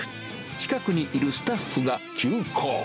近くにいるスタッフが急行。